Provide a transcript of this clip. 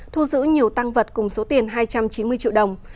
thu giữ nhiều tăng vật cùng số tiền hai trăm chín mươi triệu đồng